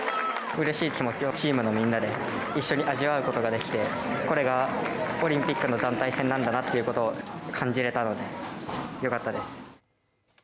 うれしい気持ちをチームで一緒に味わうことができてこれがオリンピックの団体戦なんだなということを感じられたのでよかったです。